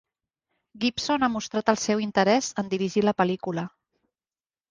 Gibson ha mostrat el seu interès en dirigir la pel·lícula.